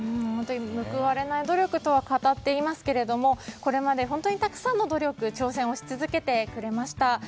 報われない努力と語っていますがこれまで本当に、たくさんの努力挑戦をし続けてくれました。